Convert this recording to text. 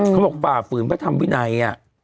เขาบอกป่าฝืนพระธรรมวินัย